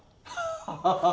ハハハハ！